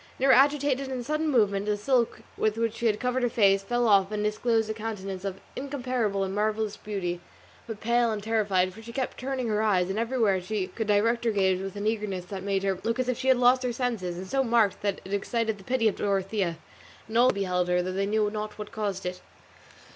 In her agitation and sudden movement the silk with which she had covered her face fell off and disclosed a countenance of incomparable and marvellous beauty, but pale and terrified; for she kept turning her eyes, everywhere she could direct her gaze, with an eagerness that made her look as if she had lost her senses, and so marked that it excited the pity of Dorothea and all who beheld her, though they knew not what caused it.